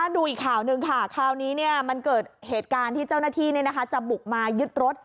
ดูอีกข่าวหนึ่งค่ะคราวนี้มันเกิดเหตุการณ์ที่เจ้าหน้าที่จะบุกมายึดรถ